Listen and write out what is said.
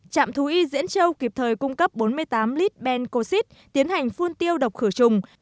trạm thú y diễn châu kịp thời cung cấp bốn mươi tám lít bencoxid tiến hành phun tiêu độc khử trùng